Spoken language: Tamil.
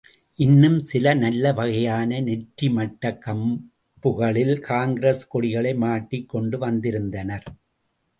இன்னும் சிலர் நல்ல வகையான நெற்றி மட்டக் கம்புகளில் காங்கிரஸ் கொடிகளை மாட்டிக் கொண்டு வந்திருந்தனர்.